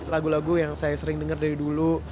lagu lagu yang saya sering dengar dari dulu